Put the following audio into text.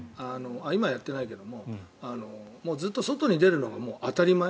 今はやってないけどずっと外に出るのが当たり前。